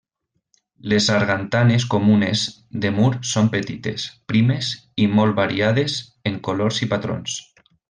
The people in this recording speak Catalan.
Les sargantanes comunes de mur són petites, primes i molt variades en colors i patrons.